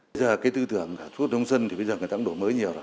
bây giờ cái tư tưởng của nông dân thì bây giờ người ta cũng đổ mới nhiều